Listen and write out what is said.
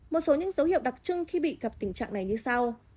một số những dấu hiệu đặc trưng khi bị gặp tình trạng này như sau